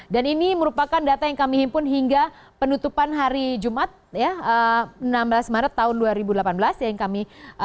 dan ini merupakan data yang kami himpun hingga penutupan hari jumat ya enam belas maret tahun dua ribu delapan belas yang kami